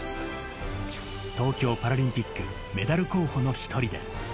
東京パラリンピック、メダル候補の一人です。